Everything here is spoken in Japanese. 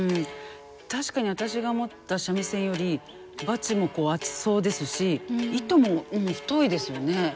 確かに私が持った三味線よりバチも厚そうですし糸も太いですよね。